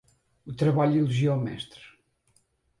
O trabalho elogia o mestre.